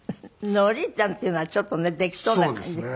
海苔なんていうのはちょっとねできそうな感じですね。